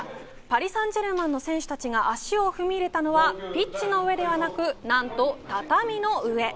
パリ・サンジェルマンの選手たちが足を踏み入れたのはピッチの上ではなく何と畳の上。